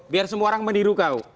biar semua orang meniru kau